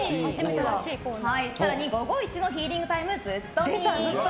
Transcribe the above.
更に、午後一のヒーリングタイムずっとみ。